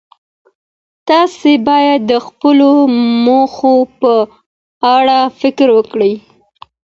تاسې باید د خپلو موخو په اړه فکر وکړئ.